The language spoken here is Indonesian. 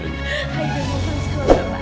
aida mohon semua bapak